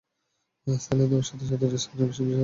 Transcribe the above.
Saline দেওয়ার সাথে সাথে হৃদস্পন্দন বেশি বেশি হচ্ছে!